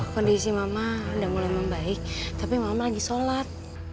kondisi mama udah mulai membaik tapi mama lagi sholat